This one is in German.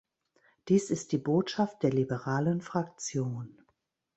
Dies ist die Botschaft der liberalen Fraktion.